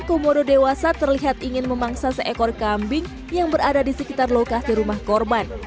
komodo dewasa terlihat ingin memangsa seekor kambing yang berada di sekitar lokasi rumah korban